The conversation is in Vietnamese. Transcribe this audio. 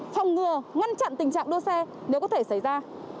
phòng ngừa ngăn chặn tình trạng đua xe nếu có thể xảy ra